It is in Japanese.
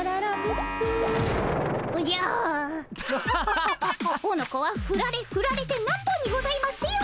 おのこはふられふられてなんぼにございますよ。